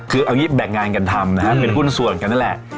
คือเอางี้แบ่งงานกันทำนะฮะเป็นหุ้นส่วนกันนั่นแหละ